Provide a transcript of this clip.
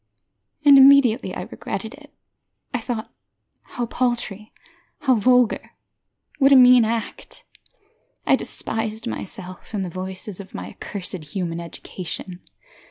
And immediately I regretted it. I thought how paltry, how vulgar, what a mean act! I despised myself and the voices of my accursed human education.